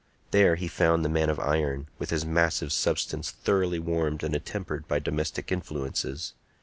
There he found the man of iron, with his massive substance thoroughly warmed and attempered by domestic influences.